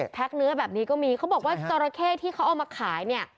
เนื้อแบบนี้ก็มีเขาบอกว่าจราเข้ที่เขาเอามาขายเนี่ย